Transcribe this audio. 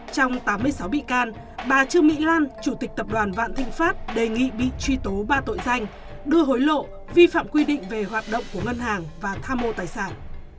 trong tám mươi sáu bị can bà trương mỹ lan chủ tịch tập đoàn vạn thịnh pháp đề nghị bị truy tố ba tội danh đưa hối lộ vi phạm quy định về hoạt động của ngân hàng và tham mô tài sản